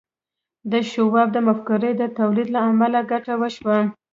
د شواب د مفکورې د تولید له امله ګټه وشوه